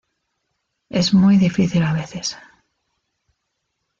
Es muy difícil a veces.